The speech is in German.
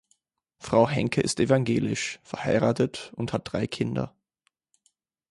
Frau Henke ist evangelisch, verheiratet und hat drei Kinder.